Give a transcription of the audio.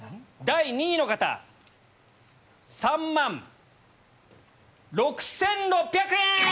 第２位の方３万６６００円！